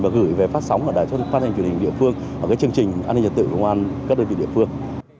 và gửi về phát sóng và đài phát thanh truyền hình địa phương ở chương trình an ninh trật tự của các đơn vị địa phương